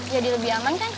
jadi lebih aman kan